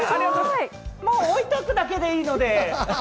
置いておくだけでいいので。